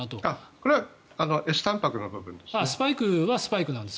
これはＳたんぱくの部分です。